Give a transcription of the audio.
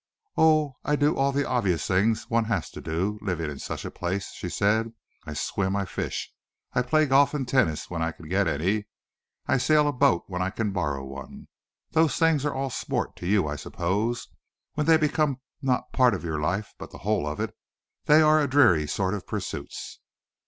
"Oh! I do all the obvious things one has to do, living in such a place," she said. "I swim and I fish, I play golf and tennis when I can get any, and I sail a boat when I can borrow one. Those things are all sport to you, I suppose. When they become not a part of your life, but the whole of it, they are a dreary sort of pursuits."